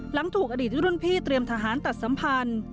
หลังถูกอดีตรุ่นพี่เตรียมทหารตัดสัมพันธ์